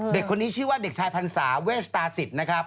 เด็กคนนี้ชื่อว่าเด็กชายพรรษาเวชตาสิทธิ์